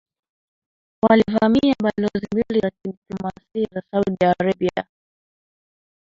walivamia balozi mbili za kidiplomasia za Saudi Arabia